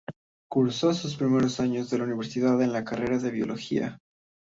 Cursó sus primeros años de la universidad en la carrera de Biología.